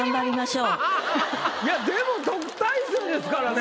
いやでも特待生ですからね。